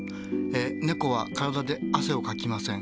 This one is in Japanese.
ねこは体で汗をかきません。